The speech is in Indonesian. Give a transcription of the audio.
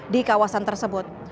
di kawasan tersebut